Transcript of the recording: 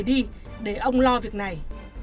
để ông lo việc này